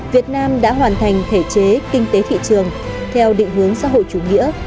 việt nam đã hoàn thành thể chế kinh tế thị trường theo định hướng xã hội chủ nghĩa